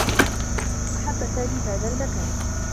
أحبّ سامي هذا المكان.